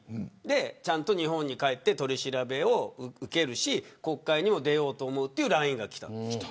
ちゃんと日本に帰って取り調べを受けるし国会にも出ようと思うというＬＩＮＥがきた。